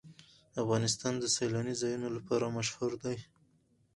افغانستان د سیلانی ځایونه لپاره مشهور دی.